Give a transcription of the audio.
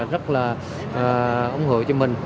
rất là ủng hộ cho mình